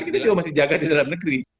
kita juga masih jaga di dalam negeri